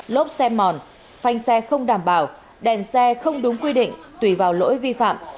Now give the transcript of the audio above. lốp xe mòn phanh xe không đảm bảo đèn xe không đúng quy định tùy vào lỗi vi phạm